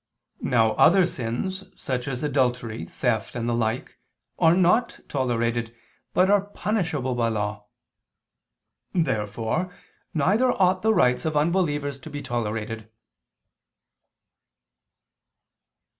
Now other sins such as adultery, theft and the like, are not tolerated, but are punishable by law. Therefore neither ought the rites of unbelievers to be tolerated.